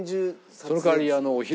その代わりお昼。